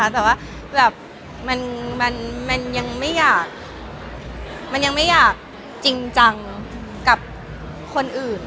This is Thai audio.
แต่ว่ามันยังไม่อยากจริงจังกับคนอื่น